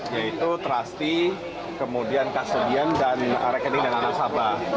yaitu trustee kemudian kastudian dan rekening dengan nasabah